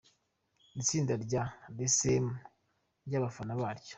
Itsinda rya The Same n'abafana baryo.